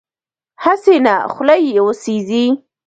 هسې نه خوله یې وسېزي.